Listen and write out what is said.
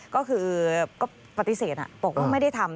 ก็คือก็ปฏิเสธบอกว่าไม่ได้ทำ